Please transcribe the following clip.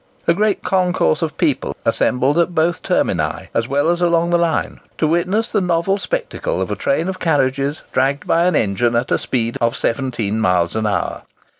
A great concourse of people assembled at both termini, as well as along the line, to witness the novel spectacle of a train of carriages dragged by an engine at a speed of 17 miles an hour.